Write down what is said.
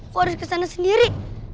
aku harus kesana sendiri